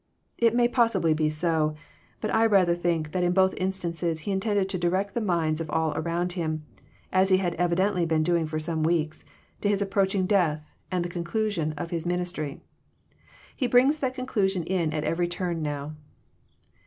It may possibly be so. But I rather think that in both instances He intended to direct the minds of all around Him, as He had evidently been doing for some weeks, to His approaching death and the conclusion of His ministry. He brings that conclusion in at every turn now.